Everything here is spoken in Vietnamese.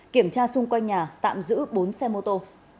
kiểm tra xung quanh nhà tạm giữ bốn xe mô tô